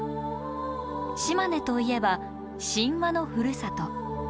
島根といえば神話のふるさと。